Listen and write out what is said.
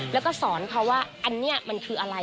แล้วก็สอนเขาว่าอันนี้มันคืออะไร